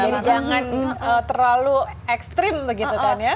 jadi jangan terlalu ekstrim begitu kan ya